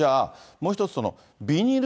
もう１つそのビニール